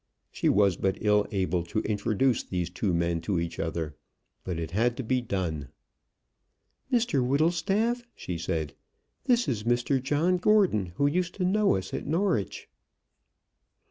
She was but ill able to introduce these two men to each other, but it had to be done. "Mr Whittlestaff," she said, "this is Mr John Gordon who used to know us at Norwich."